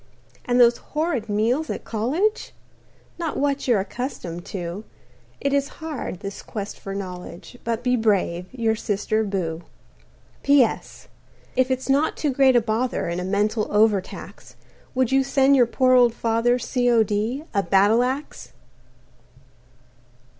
"And those horrid meals at college Not what you're accustomed to. It is hard, this quest for knowledge, But be brave. "Your sister, Boo." "P.S. "If it's not too great a bother And a mental overtax, Would you send your poor old father, C.O.D., a battle axe?"